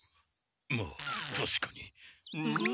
まあたしかに。